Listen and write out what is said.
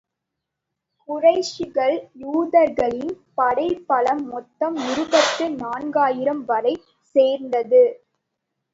குறைஷிகள், யூதர்களின் படை பலம் மொத்தம் இருபத்து நான்காயிரம் வரை சேர்ந்தது.